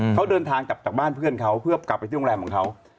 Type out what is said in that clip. เขาเดินทางกลับจากบ้านเพื่อนเขาเพื่อกลับไปที่โรงแรมของเขา